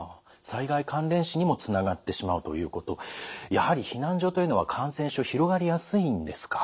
災害関連死にもつながってしまうということやはり避難所というのは感染症広がりやすいんですか。